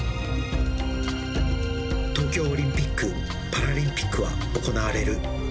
東京オリンピック・パラリンピックは行われる。